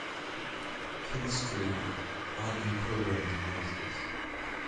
Chemistry are new programs in Masters.